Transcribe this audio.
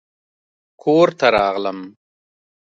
کور ته راغلم